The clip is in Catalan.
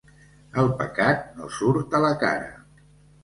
El pecat no surt a la cara.